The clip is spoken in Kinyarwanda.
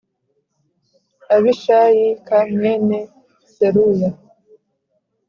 Abishayi k mwene Seruya